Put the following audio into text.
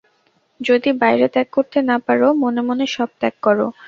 যদি বাইরে ত্যাগ করতে না পার, মনে মনে সব ত্যাগ কর।